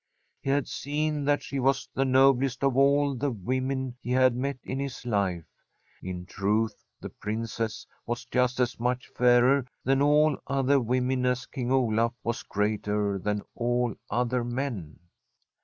He had seen that she was the noblest of all the women he had met in his life — ^in truth, the Princess was just as much fairer than all other women as King Olaf was greater than all other men.